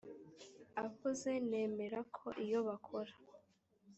avuze nemera ko iyo bakora